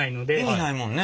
意味ないもんね。